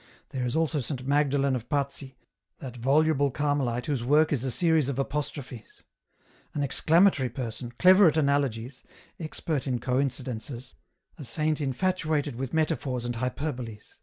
" There is also Saint Magdalen of Pazzi, that voluble Carmelite whose work is a series of apostrophes. An exclamatory person, clever at analogies, expert in coin cidences, a saint infatuated with metaphors and hyperboles.